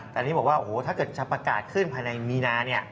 แต่นี่บอกว่าโอ้โหถ้าเกิดจะประกาศขึ้นภายในมีนา